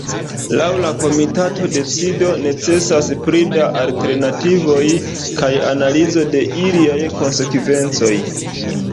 Laŭ la komita decido necesas pli da alternativoj kaj analizo de iliaj konsekvencoj.